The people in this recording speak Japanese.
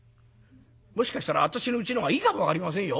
もしかしたら私のうちのほうがいいかも分かりませんよ。